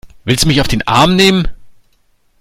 Willst du mich auf den Arm nehmen?